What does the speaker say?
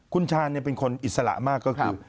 คุณชาญเนี่ยเป็นคนอิสระมาก